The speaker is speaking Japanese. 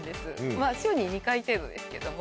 まぁ週に２回程度ですけども。